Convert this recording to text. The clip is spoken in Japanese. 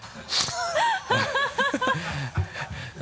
ハハハ